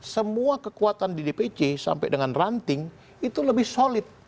semua kekuatan di dpc sampai dengan ranting itu lebih solid